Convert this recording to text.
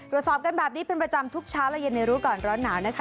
ตรวจสอบกันแบบนี้เป็นประจำทุกเช้าและเย็นในรู้ก่อนร้อนหนาวนะคะ